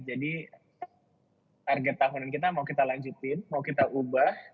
jadi target tahunan kita mau kita lanjutin mau kita ubah